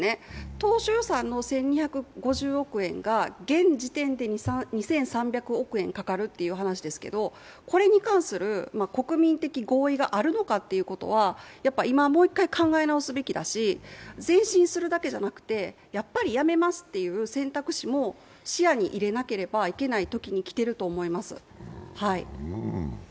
当初予算の１２５０億円が現時点で２３００億円かかるという話ですけど、これに関する国民的合意があるのかということは、今、もう一回、考え直すべきだし前進するだけじゃなくてやっぱり辞めますっていう選択肢も視野に入れなければいけないときにきていると思います。